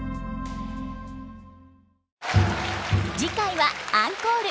次回はアンコール。